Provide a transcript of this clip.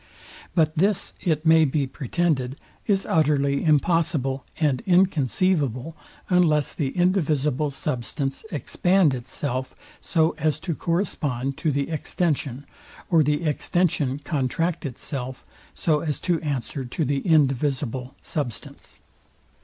But this, it may be pretended, is utterly impossible and inconceivable unless the indivisible substance expand itself, so as to correspond to the extension, or the extension contract itself, so as to answer to the indivisible substance.